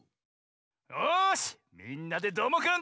よし「みんなＤＥどーもくん！」